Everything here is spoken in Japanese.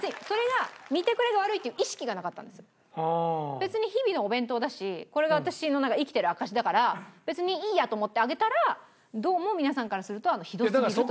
別に日々のお弁当だしこれが私の生きてる証しだから別にいいやと思って上げたらどうも皆さんからするとひどすぎるという。